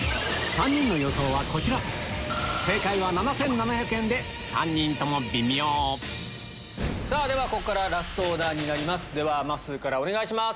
３人の予想はこちら３人とも微妙ここからラストオーダーになりますまっすーからお願いします。